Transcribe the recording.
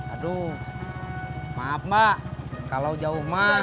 aduh maaf mbak kalau jauh mah